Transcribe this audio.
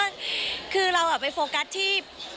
ก็คือเราไปโฟกัสที่